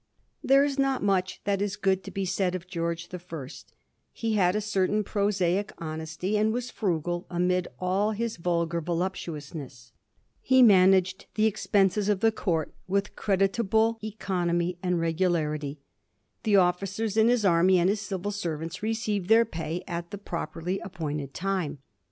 There is not much that is good to be said of George the First. He had a certain prosaic honesty, and was firugal amid all his vulgar voluptuousness. He managed the expenses of his court with creditable Digiti zed by Google 1727 CHARACTER OF THE FIRST GEORGE. 353 economy and regularity. The officers in his army, and his civil servants, received their pay at the pro perly appointed time.